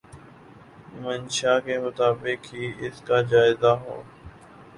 منشاء کے مطابق ہی اس کے جائزے ہوں۔